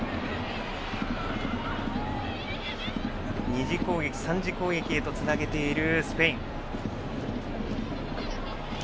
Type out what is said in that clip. ２次攻撃、３次攻撃へとつなげるスペイン。